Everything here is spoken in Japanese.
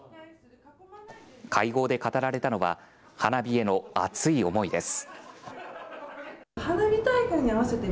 会合で語られたのは花火への熱い思いです。